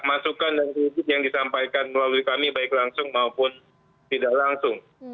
masukan dan kritik yang disampaikan melalui kami baik langsung maupun tidak langsung